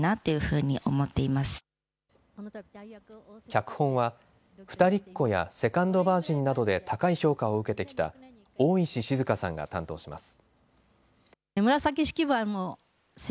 脚本は、ふたりっ子やセカンドバージンなどで高い評価を受けてきた大石静さんが担当します。